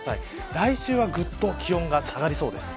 来週はぐっと気温が下がりそうです。